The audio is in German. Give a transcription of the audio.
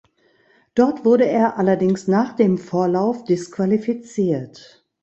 Dort wurde er allerdings nach dem Vorlauf disqualifiziert.